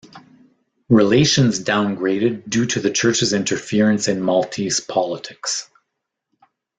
"Relations downgraded due to the Church's interference in Maltese politics"